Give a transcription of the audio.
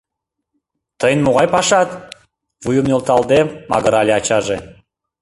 — Тыйын могай пашат? — вуйым нӧлталде магырале ачаже.